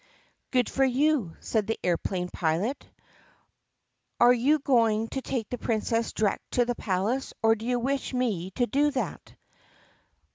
"Good for you," said the aeroplane pilot. "Are you going to take the Princess direct to the palace or do you wish me to do that?"